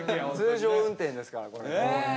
通常運転ですからこれがね。